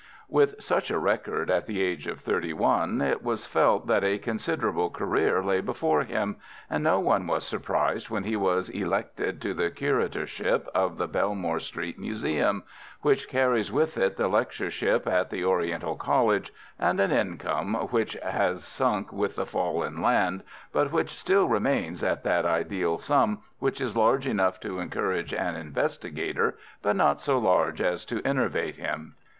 With such a record at the age of thirty one, it was felt that a considerable career lay before him, and no one was surprised when he was elected to the curatorship of the Belmore Street Museum, which carries with it the lectureship at the Oriental College, and an income which has sunk with the fall in land, but which still remains at that ideal sum which is large enough to encourage an investigator, but not so large as to enervate him.